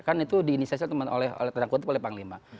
kan itu diinisiasi oleh tanda kutip oleh panglima